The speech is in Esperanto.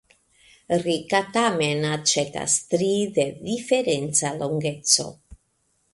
Rika tamen aĉetas tri de diferenca longeco.